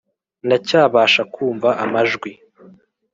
Ndacyabasha kumva amajwi